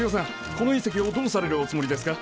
この隕石をどうされるおつもりですか？